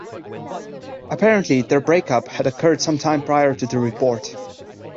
Apparently, their breakup had occurred some time prior to the report.